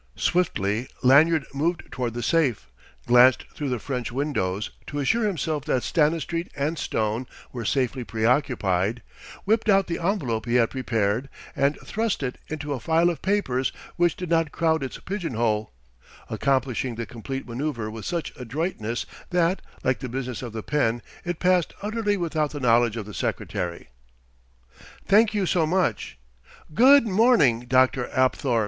Swiftly Lanyard moved toward the safe, glanced through the French windows to assure himself that Stanistreet and Stone were safely preoccupied, whipped out the envelope he had prepared, and thrust it into a file of papers which did not crowd its pigeonhole; accomplishing the complete manoeuvre with such adroitness that, like the business of the pen, it passed utterly without the knowledge of the secretary. "Thank you so much. Good morning, Dr. Apthorp."